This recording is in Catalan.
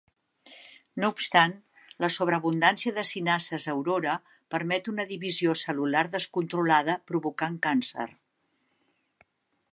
No obstant, la sobreabundància de cinasses Aurora permet una divisió cel·lular descontrolada, provocant càncer.